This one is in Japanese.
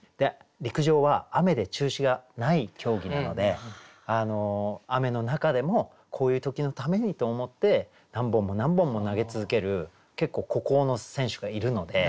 陸上は雨で中止がない競技なので雨の中でもこういう時のためにと思って何本も何本も投げ続ける結構孤高の選手がいるので。